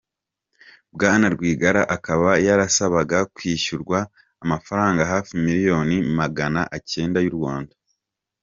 BwanaRwigara akaba yarasabaga kwishyurwa amafaranga hafi miliyoni Magana acyenda y’u Rwanda.